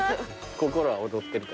心は躍ってるから。